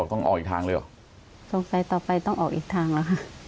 ต้องออกอีกทางเลยเหรอสงสัยต่อไปต้องออกอีกทางแล้วค่ะ